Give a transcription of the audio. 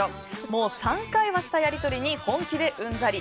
もう３回はしたやり取りに本気でうんざり。